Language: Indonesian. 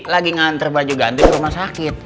lagi ngantre baju ganteng ke rumah sakit